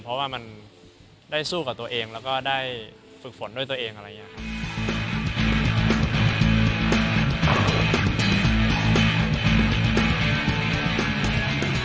เพราะว่ามันได้สู้กับตัวเองแล้วก็ได้ฝึกฝนด้วยตัวเองอะไรอย่างนี้ครับ